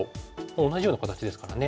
同じような形ですからね。